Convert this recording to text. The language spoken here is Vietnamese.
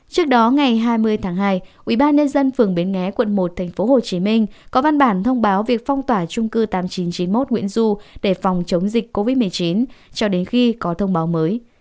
trước đó ngày hai mươi tháng hai ubnd phường bến nghé quận một tp hcm có văn bản thông báo việc phong tỏa trung cư tám nghìn chín trăm chín mươi một nguyễn du để phòng chống dịch covid một mươi chín cho đến khi có thông báo mới